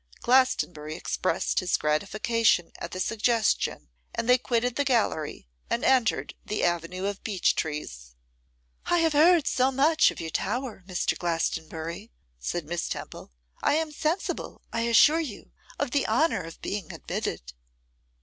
Glastonbury expressed his gratification at the suggestion, and they quitted the gallery, and entered the avenue of beech trees. 'I have heard so much of your tower, Mr. Glastonbury,' said Miss Temple, 'I am sensible, I assure you, of the honour of being admitted.